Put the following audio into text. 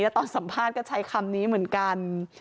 ตอนสัมภาษณ์ก็ใช้คำนี้เหมือนกัน